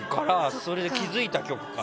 それで気づいた曲かな。